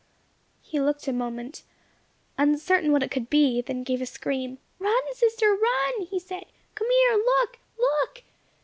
He looked a moment, uncertain what it could be, then gave a scream. "Run, sister! run!" he said. "Come here! Look! look!"